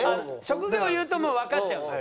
職業言うともうわかっちゃうんだ。